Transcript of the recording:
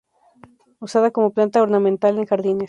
Usada como planta ornamental en jardines.